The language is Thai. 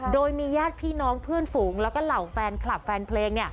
โดยมีญาติพี่น้องเพื่อนฝูงแล้วก็เหล่าแฟนคลับแฟนเพลง